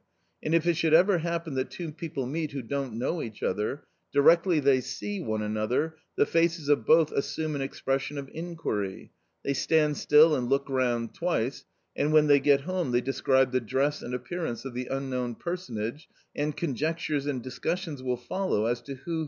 And if it should ever happen that two people meet who don't know each other, directly they see one another, the faces of both assume an expression of inquiry ; they stand still and look round twice, and when they get home they describe the dress and appearance of the unknown personage, and conjectures and discussions will follow as to who.